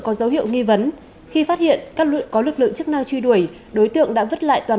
có dấu hiệu nghi vấn khi phát hiện có lực lượng chức năng truy đuổi đối tượng đã vứt lại toàn